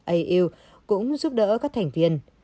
au cũng giúp đỡ các thành viên